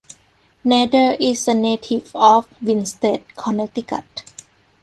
Nader is a native of Winsted, Connecticut.